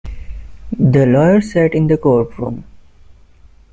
The lawyer sat in the courtroom.